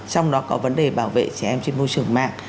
trong đó có vấn đề bảo vệ trẻ em trên môi trường mạng